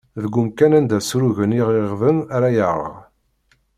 Deg umkan anda ssurugen iɣiɣden ara yerɣ.